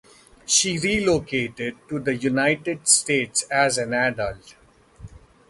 She relocated to the United States as an adult.